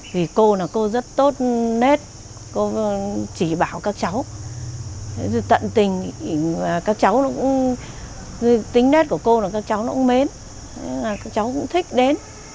vì cô là cô rất tốt nét cô chỉ bảo các cháu tận tình các cháu nó cũng như tính nét của cô là các cháu nó cũng mến các cháu cũng thích đến